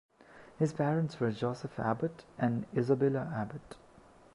His parents were Joseph Abbott and Isabella Abbott.